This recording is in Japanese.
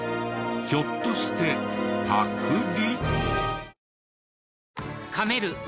ひょっとしてパクリ！？